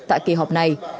tại kỳ họp này